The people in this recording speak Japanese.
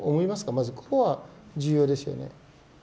まずここは重要ですよね。